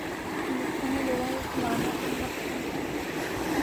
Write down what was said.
انھیں لوگوں کو کھلانا اتنا پسند ہے